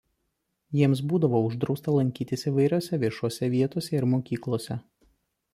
Jiems būdavo uždrausta lankytis įvairiose viešose vietose ir mokyklose.